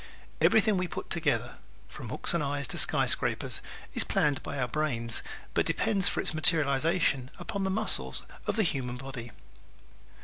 Everything we put together from hooks and eyes to skyscrapers is planned by our brains but depends for its materialization upon the muscles of the human body.